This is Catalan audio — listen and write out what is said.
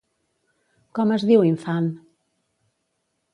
Com es diu infant?